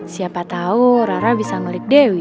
siapa tau rara bisa ngelit dewi